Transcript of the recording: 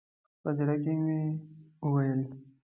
په زړه کې مې ویل.